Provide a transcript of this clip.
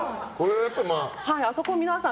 あそこ、皆さん